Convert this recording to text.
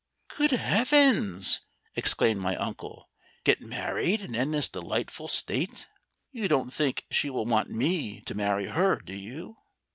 "Good Heavens!" exclaimed my uncle. "Get married and end this delightful state! You don't think she will want me to marry her, do you?